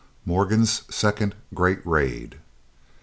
MORGAN'S SECOND GREAT RAID.